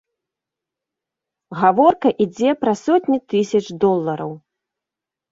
Гаворка ідзе пра сотні тысяч долараў.